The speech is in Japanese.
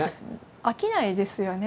飽きないですよね。